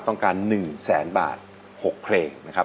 ต้องการ๑แสนบาท๖เพลงนะครับ